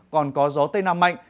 còn có gió tây nam mạnh